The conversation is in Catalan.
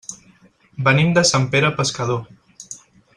Venim de Sant Pere Pescador.